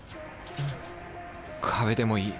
壁でもいい。